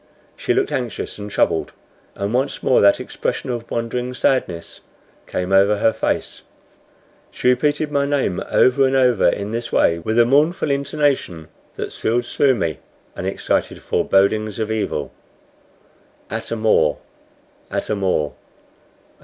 She looked anxious and troubled, and once more that expression of wondering sadness came over her face. She repeated my name over and over in this way with a mournful intonation that thrilled through me, and excited forebodings of evil. "Atamor, Atamor!"